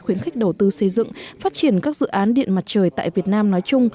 khuyến khích đầu tư xây dựng phát triển các dự án điện mặt trời tại việt nam nói chung